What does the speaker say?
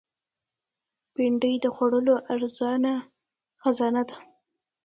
بېنډۍ د خوړو ارزانه خزانه ده